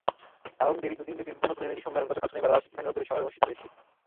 আড়ং ডেইরির দুদিনব্যাপী বিপণন প্রতিনিধি সম্মেলন গতকাল শনিবার রাজধানীর অদূরে সাভারে অনুষ্ঠিত হয়েছে।